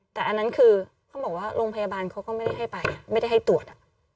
แต่อันนั้นคือเขาบอกว่าโรงพยาบาลเขาก็ไม่ได้ให้ไปไม่ได้ให้ตรวจ